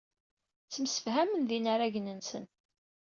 Ttemsefhamen d yinaragen-nsen.